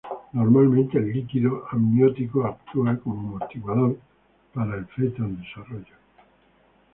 Normalmente, el líquido amniótico actúa como amortiguador para el feto en desarrollo.